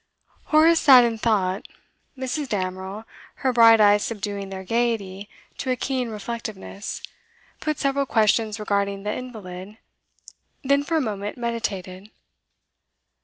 Horace sat in thought. Mrs. Damerel, her bright eyes subduing their gaiety to a keen reflectiveness, put several questions regarding the invalid, then for a moment meditated.